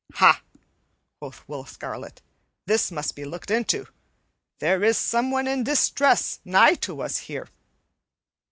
"Ha!" quoth Will Scarlet, "this must be looked into. There is someone in distress nigh to us here."